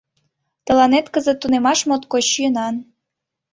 — Тыланет кызыт тунемаш моткоч йӧнан.